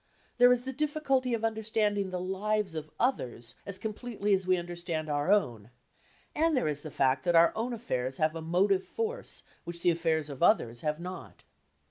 There is the difficulty of understanding the lives of others as completely as we understand our own, and there is the fact that our own affairs have a motive force which the affairs of others have not.